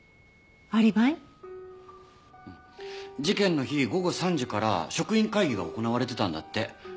事件の日午後３時から職員会議が行われてたんだって。